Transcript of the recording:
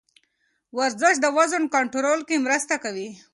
ورزش د وزن کنټرول کې مرسته کوي.